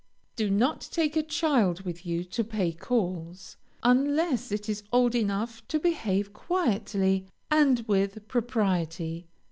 Do not take a child with you to pay calls, until it is old enough to behave quietly and with propriety.